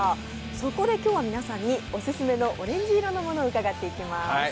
そこで今日は皆さんにオススメのオレンジ色のものを伺っていきます。